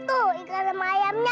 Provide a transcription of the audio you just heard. tuh ikan sama ayamnya